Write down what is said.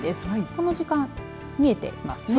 この時間、見えていますね。